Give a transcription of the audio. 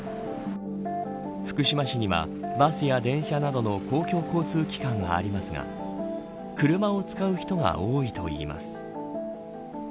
福島市にはバスや電車などの公共交通機関がありますが車を使う人が多いといいます。